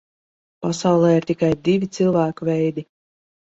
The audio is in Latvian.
Pasaulē ir tikai divi cilvēku veidi.